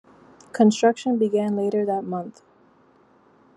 Construction began later that month.